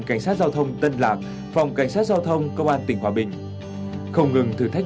cảnh sát giao thông tân lạc phòng cảnh sát giao thông công an tỉnh hòa bình không ngừng thử thách